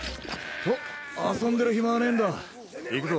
弔遊んでる暇はねえんだ行くぞ。